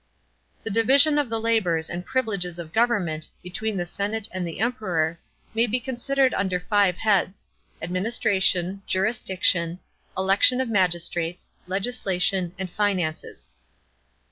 § 5. The division of the labours and privileges of government between the senate and the Emperor may be considered under five heads: administration, jurisdiction, election of magistrates, legis lation, and finances.